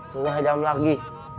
sudah jam lagi